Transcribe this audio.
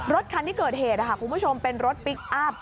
รถคันที่เกิดเหตุคุณผู้ชมเป็นรถพลิกอัพ